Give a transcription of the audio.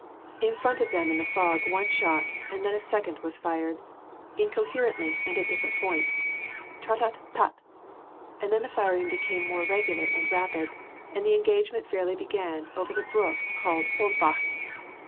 In front of them in the fog one shot, then a second was fired, incoherently and at different points, tratta tat ; and then the firing became more regular and rapid, and the engagement fairly began over the brook called Holdbach.